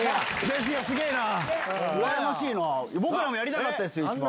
僕らもやりたかったですよ。